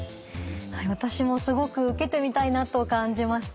私もすごく受けてみたいなと感じました。